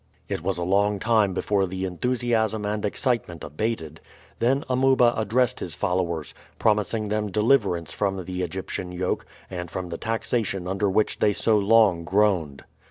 It was a long time before the enthusiasm and excitement abated; then Amuba addressed his followers, promising them deliverance from the Egyptian yoke and from the taxation under which they so long groaned.